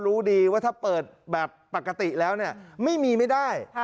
รู้ดีว่าถ้าเปิดแบบปกติแล้วเนี่ยไม่มีไม่ได้